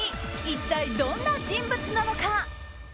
一体どんな人物なのか？